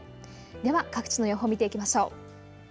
では各地の予報、見ていきましょう。